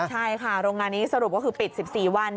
ใช่ค่ะโรงงานนี้สรุปก็คือปิด๑๔วัน